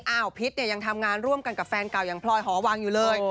พิษเนี่ยยังทำงานร่วมกันกับแฟนเก่าอย่างพลอยหอวังอยู่เลย